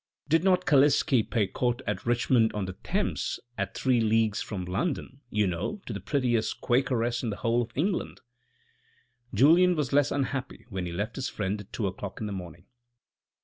Did not Kalisky pay court at Richmond on the Thames at three leagues from London, you know, to the prettiest Quakeress in the whole of England?" Julien was less unhappy when he left his friend at two o'clock in the morning.